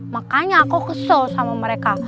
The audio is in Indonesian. makanya aku kesel sama mereka